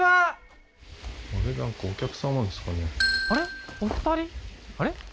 あれ？